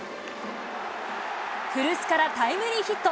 古巣からタイムリーヒット。